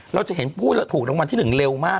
เราจะเห็นผู้ถูกรางวัลที่๑เร็วมาก